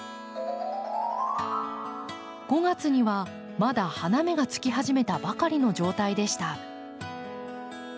５月にはまだ花芽がつき始めたばかりの状態でした。